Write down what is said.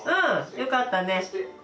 よかったね。